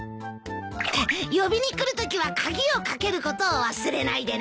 呼びに来るときは鍵をかけることを忘れないでね。